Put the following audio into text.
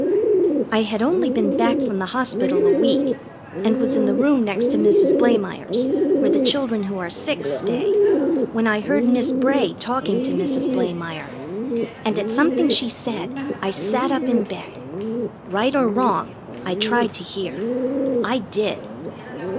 I had only been back from the hospital a week, and was in the room next to Mrs. Blamire's, where the children who are sick stay, when I heard Miss Bray talking to Mrs. Blamire, and at something she said I sat up in bed. Right or wrong, I tried to hear. I did.